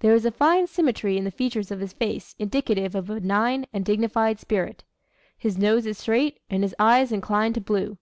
There is a fine symmetry in the features of his face indicative of a benign and dignified spirit. His nose is straight, and his eyes inclined to blue.